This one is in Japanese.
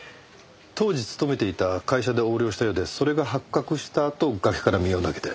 当時勤めていた会社で横領したようでそれが発覚したあと崖から身を投げて。